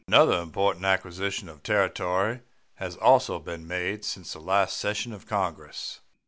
Another important acquisition of territory has also been made since the last session of Congress.